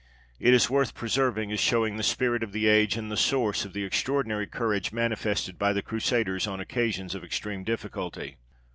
It is worth preserving, as shewing the spirit of the age and the source of the extraordinary courage manifested by the Crusaders on occasions of extreme difficulty.